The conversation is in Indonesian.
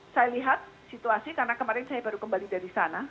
saya lihat situasi karena kemarin saya baru kembali dari sana